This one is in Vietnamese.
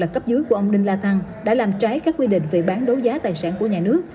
cấp dưới của ông đinh la thăng đã làm trái các quy định về bán đấu giá tài sản của nhà nước